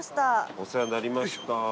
お世話になりました。